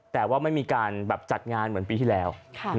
แต่ว่าไม่มีการแบบจัดงานเหมือนปีที่แล้ว